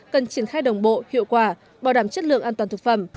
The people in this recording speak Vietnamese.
cần triển khai đồng bộ hiệu quả bảo đảm chất lượng an toàn thực phẩm